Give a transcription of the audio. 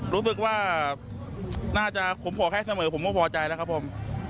รู้สึกว่าน่าจะผมขอแค่เสมอผมก็พอใจแล้วครับผม